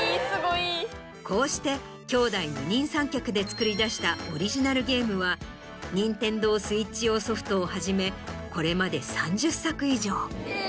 こうして兄弟二人三脚で作り出したオリジナルゲームはＮｉｎｔｅｎｄｏＳｗｉｔｃｈ用ソフトをはじめこれまで３０作以上。